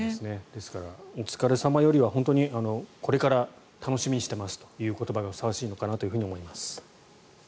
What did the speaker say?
ですからお疲れ様よりこれから楽しみにしてますという言葉がふさわしいのかなと思います。